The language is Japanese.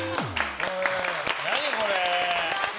何これ。